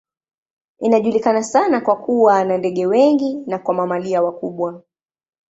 Inajulikana sana kwa kuwa na ndege wengi na kwa mamalia wakubwa.